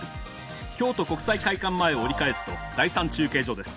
京都国際会館前を折り返すと第３中継所です。